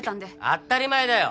当ったり前だよ